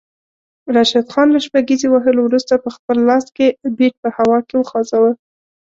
راشد خان له شپږیزې وهلو وروسته پخپل لاس کې بیټ په هوا کې وخوځاوه